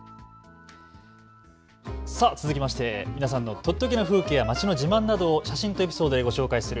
続きまして皆さんのとっておきの風景や街の自慢などを写真とエピソードでご紹介する＃